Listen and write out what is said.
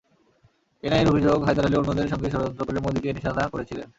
এনআইএর অভিযোগ, হায়দার আলী অন্যদের সঙ্গে ষড়যন্ত্র করে মোদিকে নিশানা করেছিলেন।